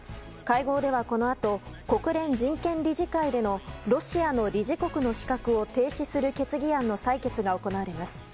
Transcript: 会合では、このあと国連人権理事会でのロシアの理事国の資格を停止する決議案の採決が行われます。